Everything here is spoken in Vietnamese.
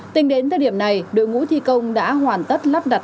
tính đến thời điểm này đội ngũ thi công đã hoàn tất lắp đặt